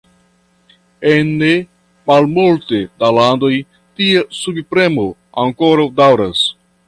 En ne malmulte da landoj, tia subpremo ankoraŭ daŭras.